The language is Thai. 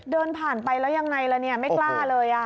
เดินผ่านไปแล้วยังไงละเนี่ยไม่กล้าเลย